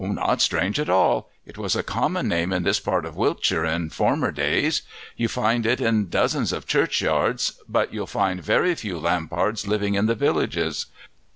"Not strange at all; it was a common name in this part of Wiltshire in former days; you find it in dozens of churchyards, but you'll find very few Lampards living in the villages.